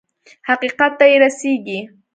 حقيقت ته يې رسېږي.